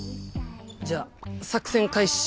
じゃあ作戦開始。